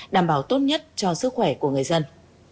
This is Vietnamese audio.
đảm bảo tốt nhất cho sức khỏe của người dân